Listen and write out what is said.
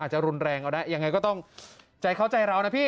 จะรุนแรงเอาได้ยังไงก็ต้องใจเข้าใจเรานะพี่